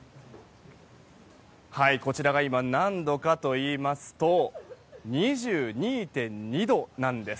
こちらが今何度かといいますと２２．２度なんです。